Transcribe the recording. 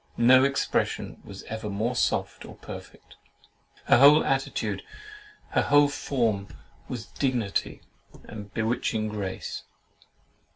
No expression was ever more soft or perfect. Her whole attitude, her whole form, was dignity and bewitching grace.